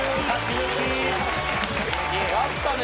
やったね。